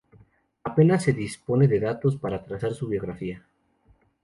Apenas se dispone de datos para trazar su biografía.